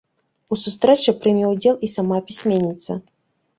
У сустрэчы прыме ўдзел і сама пісьменніца.